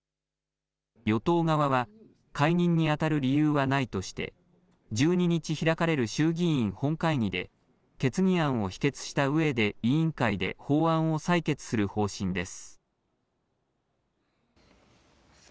与党側は解任にあたる理由はないとして１２日開かれる衆議院本会議で決議案を否決したうえで委員会で法案を採決する方針です。